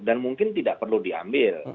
dan mungkin tidak perlu diambil